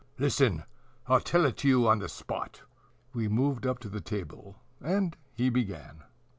Listen. I'll tell it to you on the spot." We moved up to the table, and he began.